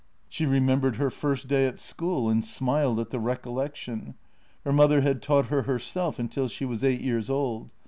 She remembered her first day at school, and smiled at the recollection. Her mother had taught her herself until she was eight years old.